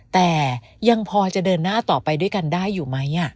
แต่ยังพอจะเดินหน้าต่อไปด้วยกันได้อยู่ไหม